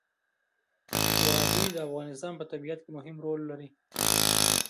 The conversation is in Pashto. وادي د افغانستان په طبیعت کې مهم رول لري.